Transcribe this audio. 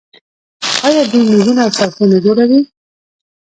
آیا دوی میزونه او څوکۍ نه جوړوي؟